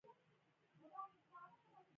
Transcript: مایعات ټاکلی حجم لري خو شکل یې د لوښي تابع دی.